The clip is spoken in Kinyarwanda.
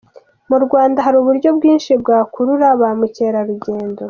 Mu Rwanda hari uburyo bwinshi bwakurura ba mukerarugendo